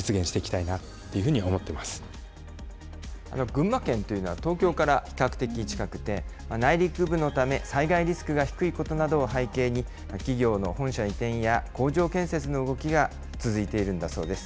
群馬県というのは、東京から比較的近くて、内陸部のため災害リスクが低いことなどを背景に、企業の本社移転や工場建設の動きが続いているんだそうです。